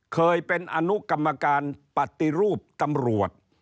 เคยเป็นอนุกรรมการปฏิรูปตำรวจ